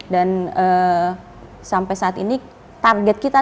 dan sampai saat ini target kita